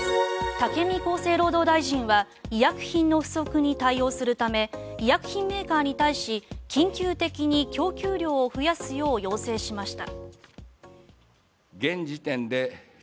武見厚生労働大臣は医薬品の不足に対応するため医薬品メーカーに対し緊急的に供給量を増やすよう要請しました。